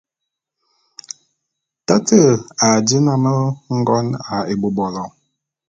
Tate a dí nnám ngon ā ebôbolo.